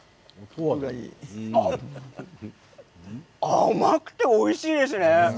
甘くておいしいですね！